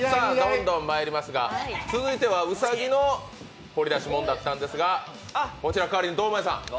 さあ、続いては兎の掘り出し物だったんですがこちら、代わりに堂前さん。